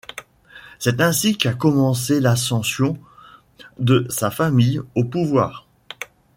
C'est ainsi qu'a commencée l'ascension de sa famille au pouvoir.